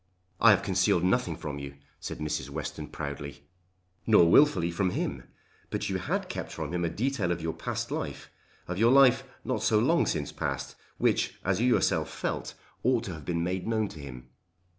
"I have concealed nothing from you," said Mrs. Western proudly. "Nor wilfully from him. But you had kept from him a detail of your past life, of your life not long since past, which, as you yourself felt, ought to have been made known to him."